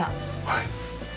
はい。